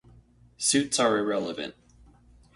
Suits are irrelevant.